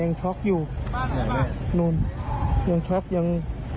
นั่นยังช็อคยัง